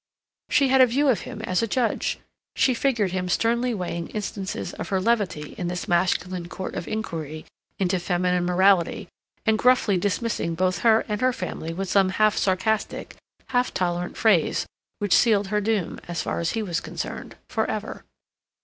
She had a view of him as a judge. She figured him sternly weighing instances of her levity in this masculine court of inquiry into feminine morality and gruffly dismissing both her and her family with some half sarcastic, half tolerant phrase which sealed her doom, as far as he was concerned, for ever.